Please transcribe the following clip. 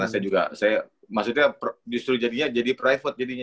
karena saya juga maksudnya justru jadinya jadi private jadinya